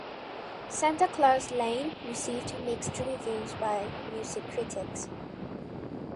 "Santa Claus Lane" received mixed reviews by music critics.